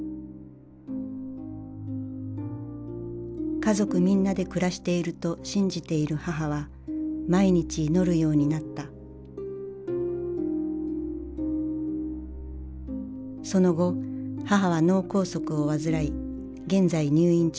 家族みんなで暮らしていると信じている母は毎日祈るようになったその後母は脳梗塞を患い現在入院中である。